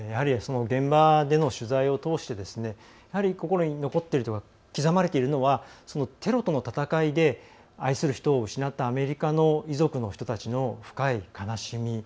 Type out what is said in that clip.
現場での取材を通してやはり、心に刻まれているのはテロとの戦いで、愛する人を失ったアメリカの遺族の人たちの深い悲しみ。